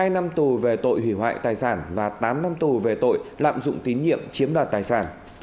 một mươi năm tù về tội hủy hoại tài sản và tám năm tù về tội lạm dụng tín nhiệm chiếm đoạt tài sản